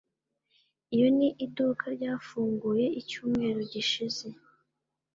Iyo ni iduka ryafunguye icyumweru gishize.